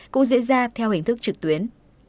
cũng diễn ra theo hình thức trực tuyến